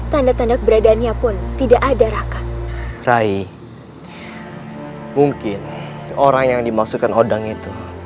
tanda tanda keberadaannya pun tidak ada raka rai mungkin orang yang dimaksudkan odang itu